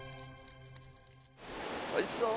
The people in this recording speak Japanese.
おいしそう。